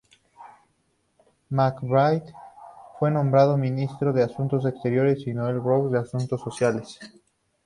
MacBride fue nombrado ministro de asuntos exteriores y Noel Browne de asuntos sociales.